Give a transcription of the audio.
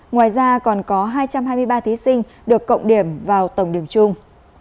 ngoài ra còn có hai trăm hai mươi ba thí sinh được cộng điểm vào tổng điểm chung